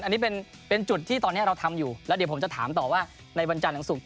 อันนี้เป็นจุดที่ตอนนี้เราทำอยู่แล้วเดี๋ยวผมจะถามต่อว่าในวันจันทร์ถึงศุกร์